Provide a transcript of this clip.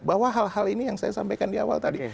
bahwa hal hal ini yang saya sampaikan di awal tadi